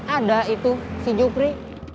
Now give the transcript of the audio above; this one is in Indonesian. ada itu si jupri